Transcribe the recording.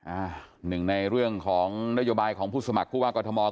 อ่าหนึ่งในเรื่องของนโยบายของผู้สมัครผู้ว่ากรทม